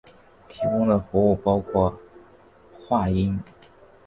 提供的服务包括话音。